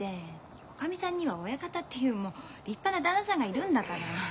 おかみさんには親方っていうもう立派な旦那さんがいるんだから。